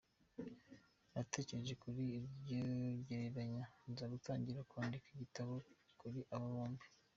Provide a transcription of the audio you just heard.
Natekereje kuri iryo gereranya, nza gutangira kwandika igitabo kuri aba bombi.”